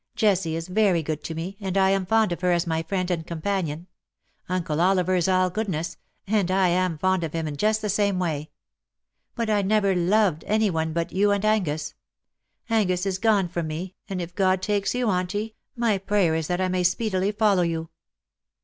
Jessie is very good to me, and I am fond of her as my friend and companion. Uncle Oliver is all goodness, and I am fond of him in just the same way. But I never loved any one but you and Angus. Angus is gone from me, and if God takes you. Auntie, my prayer is that I may speedily follow you."